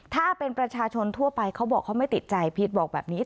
ถ้าเป็นประชาชนทั่วไปเขาบอกเขาไม่ติดใจพีชบอกแบบนี้